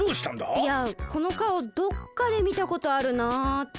いやこのかおどっかでみたことあるなって。